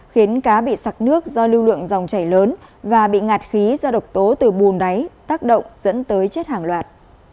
khiến cá bị sạc nước do lưu lượng dòng chảy lớn và bị ngạt khí do độc tố từ buồng đáy tác động dẫn tới chết hàng loạt